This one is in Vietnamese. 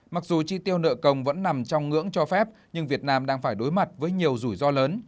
mặc dù chi tiêu nợ công vẫn nằm trong ngưỡng cho phép nhưng việt nam đang phải đối mặt với nhiều rủi ro lớn